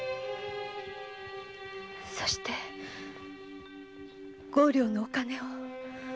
そして五両のお金を。